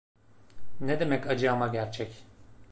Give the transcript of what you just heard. Ne demek ‘acı ama gerçek’?